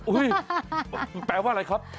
อึ้ววววแปลว่าอะไรครับ